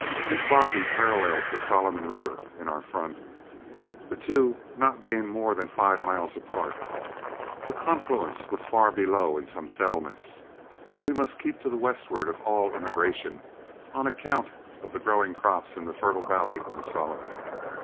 Big Boggy paralleled the Solomon River in our front, the two not being more than five miles apart. The confluence was far below in some settlements, and we must keep to the westward of all immigration, on account of the growing crops in the fertile valley of the Solomon.